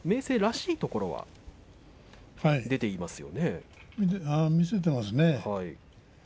動きが明生らしいところは見せていますね。